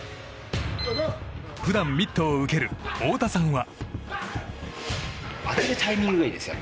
普段、ミットを受ける太田さんは。